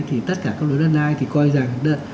thì tất cả các đất đai thì coi rằng